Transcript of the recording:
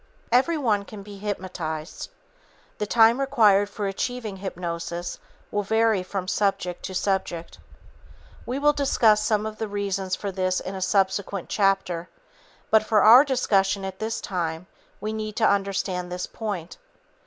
Everyone can be hypnotized. The time required for achieving hypnosis will vary from subject to subject. We will discuss some of the reasons for this in a subsequent chapter, but for our discussion at this time we need to understand this point.